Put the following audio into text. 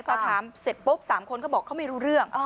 พอถามเสร็จปุ๊บ๓คนก็บอกเขาไม่รู้เรื่อง